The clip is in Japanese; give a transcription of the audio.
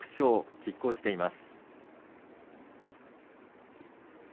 きっ抗しています。